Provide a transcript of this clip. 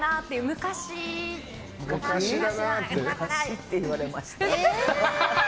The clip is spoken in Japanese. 昔って言われました。